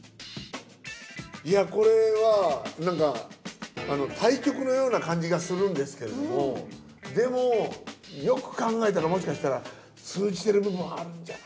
いやこれはなんか対極のような感じがするんですけれどもでもよく考えたらもしかしたら通じてる部分もあるんじゃないかな。